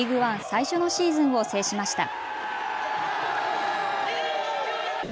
最初のシーズンを制しました。